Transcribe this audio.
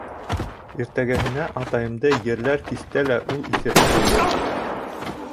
Иртәгеһенә атайымды ерләр кистә лә ул иҫерек булды.